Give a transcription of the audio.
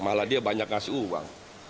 malah dia banyak ngasih uang